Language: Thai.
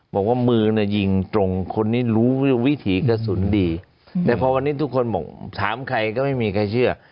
บอกว่ามือเนี่ยยิงตรงคนนี้รู้วิถีกระสุนดีแต่พอวันนี้ทุกคนบอกถามใครก็ไม่มีใครเชื่อ